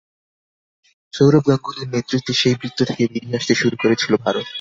সৌরভ গাঙ্গুলীর নেতৃত্বে সেই বৃত্ত থেকে বেরিয়ে আসতে শুরু করেছিল ভারত।